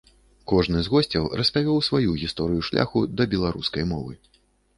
Кожны з госцяў распавёў сваю гісторыю шляху да беларускай мовы.